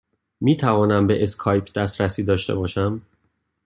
می توانم به اسکایپ دسترسی داشته باشم؟